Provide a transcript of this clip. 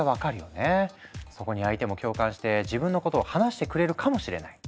そこに相手も共感して自分のことを話してくれるかもしれない。